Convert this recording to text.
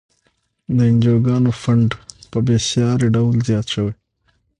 د انجوګانو فنډ په بیسارې ډول زیات شوی.